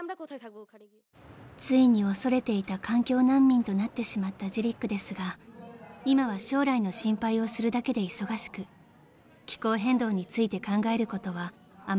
［ついに恐れていた環境難民となってしまったジリックですが今は将来の心配をするだけで忙しく気候変動について考えることはあまりないといいます］